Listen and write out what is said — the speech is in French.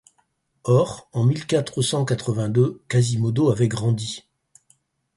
Or, en mille quatre cent quatre-vingt-deux, Quasimodo avait grandi.